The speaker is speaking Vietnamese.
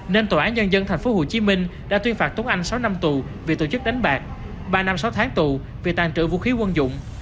nên tòa án nhân dân tp hcm đã tuyên phạt tốt anh sáu năm tù vì tổ chức đánh bạc ba năm sáu tháng tù vì tàn trữ vũ khí quân dụng